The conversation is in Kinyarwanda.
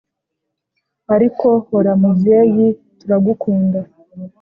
ariko hora mubyeyi turagukunda